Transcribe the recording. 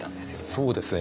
そうですね。